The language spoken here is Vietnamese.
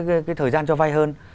cái thời gian cho vay hơn